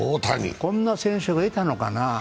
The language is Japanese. こんな選手がいたのかなあ。